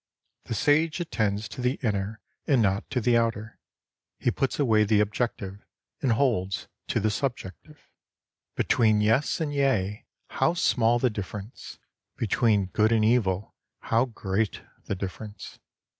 The Sage attends to the inner and not to the outer ; he puts away the objective and holds to the subjective. L.T.— 4 47 Between yes and yea, how small the difference ! Between good and evil, how great the difference